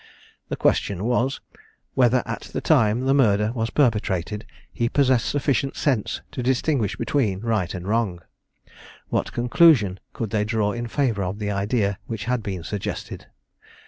The question was, whether at the time the murder was perpetrated he possessed sufficient sense to distinguish between right and wrong? What conclusion could they draw in favour of the idea which had been suggested?